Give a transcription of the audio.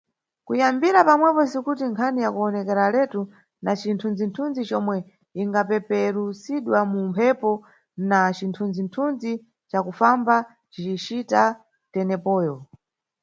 Kuyambira pamwepo sikuti nkhani yakuwonekeraletu na cithunzi-tunzi comwe ingapeperusidwa mu mphepo na cithunzi-thunzi ca kufamba cicita tenepoyo.